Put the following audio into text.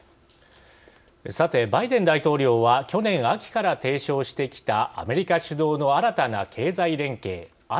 さて、バイデン大統領は去年秋から提唱してきたアメリカ主導の新たな経済連携